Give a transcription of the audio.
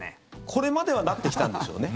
これまではなってきたんでしょうね。